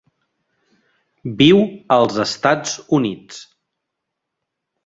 Viu als Estats Units.